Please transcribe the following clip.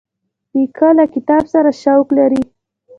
نیکه له کتاب سره شوق لري.